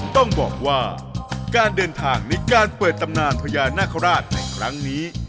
ต้องบอกว่าการเดินทางในการเปิดตำนานพญานาคาราชในครั้งนี้